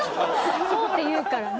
「そう」って言うからね。